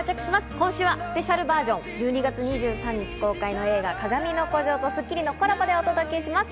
今週はスペシャルバージョン、１２月２３日公開の映画『かがみの孤城』と『スッキリ』のコラボでお届けします。